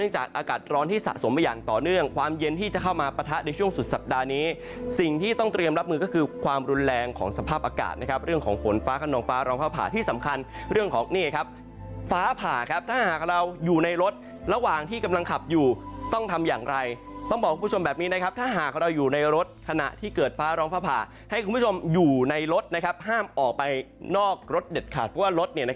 ช่วงสุดสัปดาห์นี้สิ่งที่ต้องเตรียมรับมือก็คือความรุนแรงของสภาพอากาศเรื่องของฝนฟ้าขนองฟ้าร้องภาผ่าที่สำคัญเรื่องของฟ้าผ่าถ้าหากเราอยู่ในรถระหว่างที่กำลังขับอยู่ต้องทำอย่างไรต้องบอกคุณผู้ชมแบบนี้ถ้าหากเราอยู่ในรถขณะที่เกิดฟ้าร้องภาผ่าให้คุณผู้ชมอยู่ในรถห้ามออกไปนอกรถเด